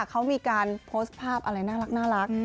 เขามีการโพสต์ภาพอะไรน่ารัก